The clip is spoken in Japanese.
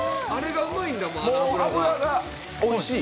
油がおいしい？